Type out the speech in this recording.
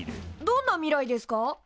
どんな未来ですか？